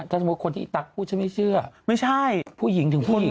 ถ้าสมมุติเปนะอีตั๊กพูดฉันนั้นไม่เชื่อไม่ใช่ฟุข์หญิงถึงผู้หญิง